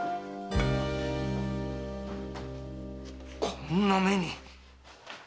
こんな目に！